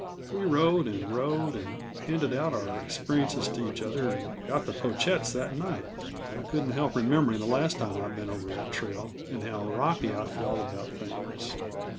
We rode and rode, and handed out our experiences to each other, and got to Pochette's that night. I couldn't help remembering the last time I'd been over that trail, and how rocky I felt about things.